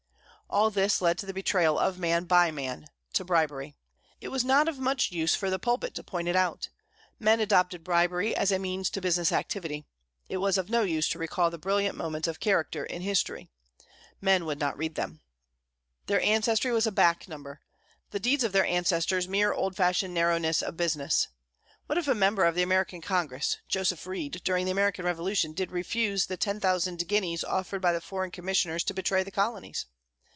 All this led to the betrayal of man by man to bribery. It was not of much use for the pulpit to point it out. Men adopted bribery as a means to business activity. It was of no use to recall the brilliant moments of character in history, men would not read them. Their ancestry was a back number, the deeds of their ancestors mere old fashioned narrowness of business. What if a member of the American Congress, Joseph Reed, during the American Revolution did refuse the 10,000 guineas offered by the foreign commissioners to betray the colonies?